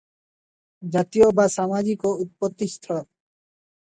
ଜାତୀୟ ବା ସାମାଜିକ ଉତ୍ପତ୍ତିସ୍ଥଳ ।